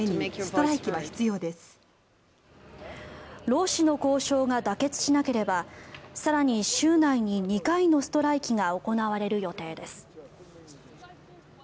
労使の交渉が妥結しなければ更に週内に２回のストライキが行われる予定です。